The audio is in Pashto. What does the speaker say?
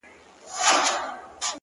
• سمدستي یې سره پرانیسته په منډه ,